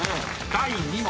［第２問］